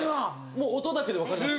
もう音だけで分かります